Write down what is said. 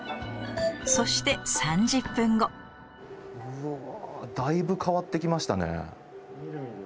そしてうわだいぶ変わって来ましたね。